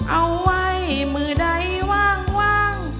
เอาไว้มือใดว่าง